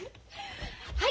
はい！